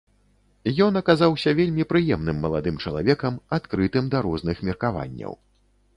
Ён аказаўся вельмі прыемным маладым чалавекам, адкрытым да розных меркаванняў.